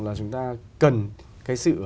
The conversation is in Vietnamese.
là chúng ta cần cái sự